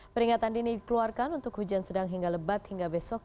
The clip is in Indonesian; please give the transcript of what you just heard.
peringatan dini keluarkan untuk hujan sedang hingga lebat hingga besok